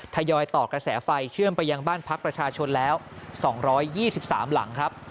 ทยอยต่อกระแสไฟเชื่อมไปยังบ้านพักประชาชนแล้ว๒๒๓หลังครับ